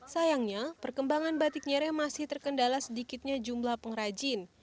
sayangnya perkembangan batik nyere masih terkendala sedikitnya jumlah pengrajin